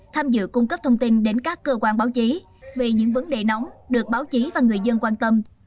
tham dự cung cấp thông tin đến các cơ quan báo chí về những vấn đề nóng được báo chí và người dân quan tâm